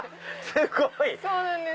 すごい！